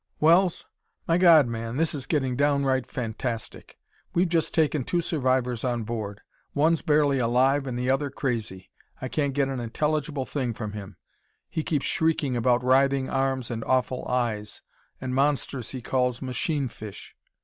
"Wells? My God, man, this is getting downright fantastic! We've just taken two survivors on board; one's barely alive and the other crazy. I can't get an intelligible thing from him; he keeps shrieking about writhing arms and awful eyes and monsters he calls 'machine fish'!"